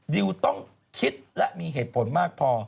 ดิวต้องคิดและมีเหตุผลมากพอ